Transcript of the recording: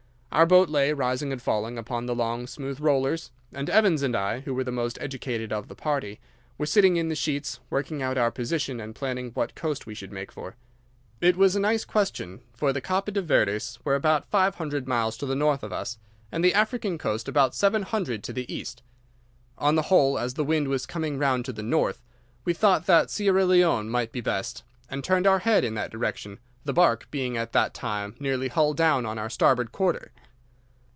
Our boat lay, rising and falling, upon the long, smooth rollers, and Evans and I, who were the most educated of the party, were sitting in the sheets working out our position and planning what coast we should make for. It was a nice question, for the Cape de Verds were about five hundred miles to the north of us, and the African coast about seven hundred to the east. On the whole, as the wind was coming round to the north, we thought that Sierra Leone might be best, and turned our head in that direction, the barque being at that time nearly hull down on our starboard quarter.